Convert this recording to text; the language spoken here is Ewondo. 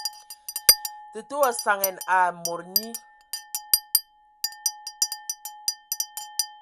Tətə wa saŋan aaa mod nyi.